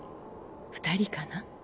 ２人かな？